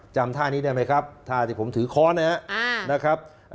จำท่านี้ได้ไหมครับท่าที่ผมถือค้อนนะครับ